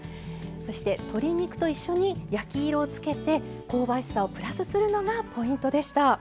そして鶏肉と一緒に焼き色をつけて香ばしさをプラスするのがポイントでした。